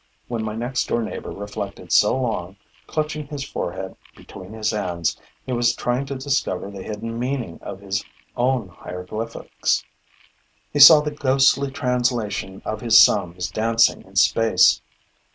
When my next door neighbor reflected so long, clutching his forehead between his hands, he was trying to discover the hidden meaning of his own hieroglyphics; he saw the ghostly translation of his sums dancing in space.